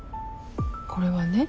これはね